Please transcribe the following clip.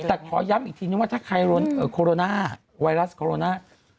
แต่ขอย้ำอีกทีนึงว่าถ้าใครโคโรนาไวรัสโคโรนา